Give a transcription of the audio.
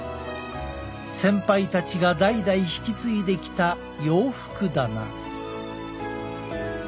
先輩たちが代々引き継いできた洋服棚。